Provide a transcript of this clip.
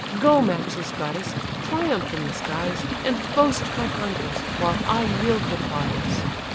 Go, matchless goddess! triumph in the skies, And boast my conquest, while I yield the prize."